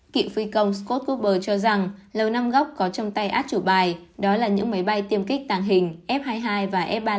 cựu phi công scott guber cho rằng lầu năm góc có trong tay át chủ bài đó là những máy bay tiêm kích tàng hình f hai mươi hai và f ba mươi